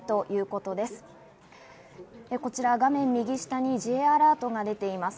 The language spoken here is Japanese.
こちら、画面右下にＪアラートが出ています。